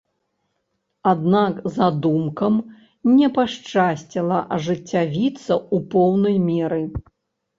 Аднак задумкам не пашчасціла ажыццявіцца ў поўнай меры.